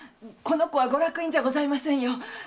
この子はご落胤じゃございませんよ。